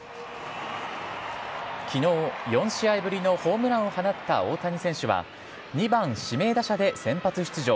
きのう、４試合ぶりのホームランを放った大谷選手は、２番指名打者で先発出場。